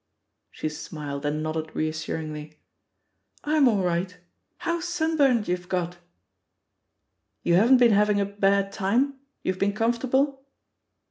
She smiled and nodded reassuringly. ''I'm all right. How sunburnt youVe got!'* "You haven't been having a bad time? youVe been comfortable?"